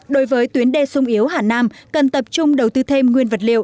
đối với tuyến đê sung yếu hà nam cần tập trung đầu tư thêm nguyên vật liệu